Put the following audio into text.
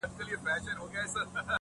د ميرويس نيکه پيوند دی -